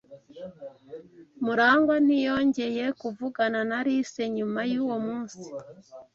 Murangwa ntiyongeye kuvugana na Alice nyuma yuwo munsi.